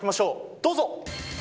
どうぞ。